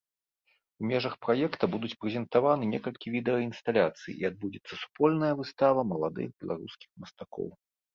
У межах праекта будуць прэзентаваны некалькі відэаінсталяцый і адбудзецца супольная выстава маладых беларускіх мастакоў.